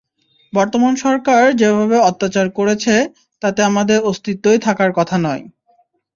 বর্তমান সরকার যেভাবে অত্যাচার করেছে, তাতে আমাদের অস্তিত্বই থাকার কথা নয়।